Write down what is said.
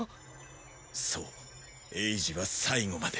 そうエイジは最後まで。